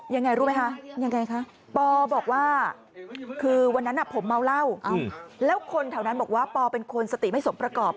ยังไงรู้ไหมคะยังไงคะปอบอกว่าคือวันนั้นผมเมาเหล้าแล้วคนแถวนั้นบอกว่าปอเป็นคนสติไม่สมประกอบ